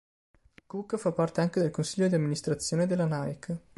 Cook fa parte anche del Consiglio di amministrazione della Nike.